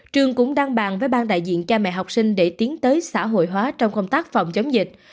trường cũng đang bàn với bang đại diện cha mẹ học sinh để tiến tới xã hội hóa trong công tác phòng chống dịch